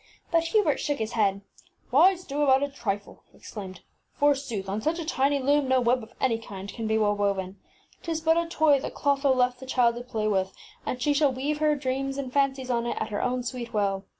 ŌĆÖ %he <Hf\m <lilleaijrtsr But Hubert shook his head. ŌĆś Why stew about a trifle ! ŌĆÖ he exclaimed. ŌĆśForsooth, on such a tiny loom no web of any kind can well be woven. ŌĆÖTis but a toy that Clotho left the child to play with, and she shall weave her dreams and fancies on it at her own sweet will.